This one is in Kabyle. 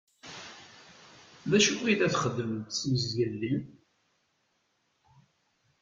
D acu i la txeddmemt seg zgelli?